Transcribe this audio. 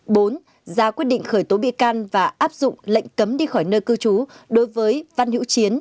bốn ra quyết định khởi tố bị can và áp dụng lệnh cấm đi khỏi nơi cư trú đối với văn hữu chiến